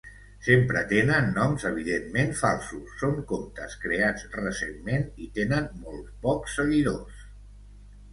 Sempre tenen noms evidentment falsos, són comptes creats recentment i tenen molts pocs seguidors.